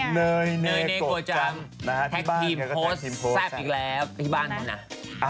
เนยเนกกว่าจังแท็กทีมโพสต์แซ่บอีกแล้วที่บ้านหมดน่ะ